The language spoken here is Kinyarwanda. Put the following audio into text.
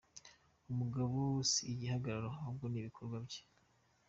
Umugabo si igihagararo, ahubwo ni ibikorwa bye.